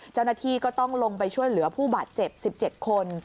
เจ้าหน้าที่ก็ต้องลงไปช่วยเหลือผู้บาดเจ็บ๑๗คน